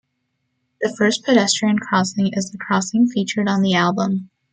The first pedestrian crossing is the crossing featured on the album.